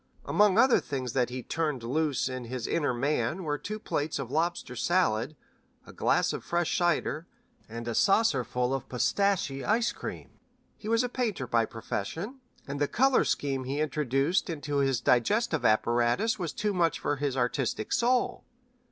Among other things that he turned loose in his inner man were two plates of lobster salad, a glass of fresh cider, and a saucerful of pistache ice cream. He was a painter by profession, and the color scheme he thus introduced into his digestive apparatus was too much for his artistic soul.